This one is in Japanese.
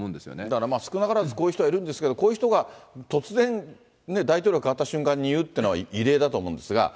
だからまあ、少なからずこういう人はいるんですけれども、こういう人が突然、大統領が代わった瞬間に言うっていうのは異例だと思うんですが。